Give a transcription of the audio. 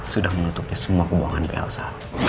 sudah menutupi semua hubungan ke elsa